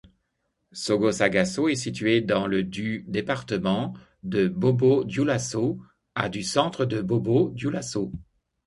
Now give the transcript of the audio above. Sogossagasso est située dans le du département de Bobo-Dioulasso, à du centre de Bobo-Dioulasso.